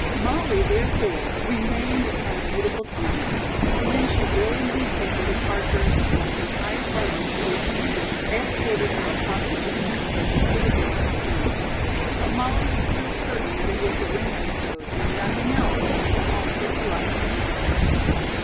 Molly, therefore, remained and had a beautiful time, and when she really did take her departure the entire party, including Judith, escorted her across the moonlit campus to the door of Queen's. But Molly was still certain that it was the ring episode and nothing else that made them all so polite and attentive.